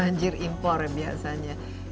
banjir import biasanya